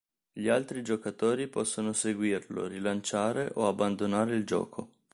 Gli altri giocatori possono seguirlo, rilanciare o abbandonare il gioco.